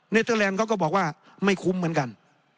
เตอร์แลนด์เขาก็บอกว่าไม่คุ้มเหมือนกัน